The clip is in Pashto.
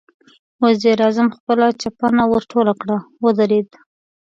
وزير اعظم خپله چپنه ورټوله کړه، ودرېد.